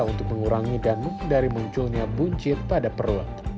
untuk mengurangi dan menghindari munculnya buncit pada perut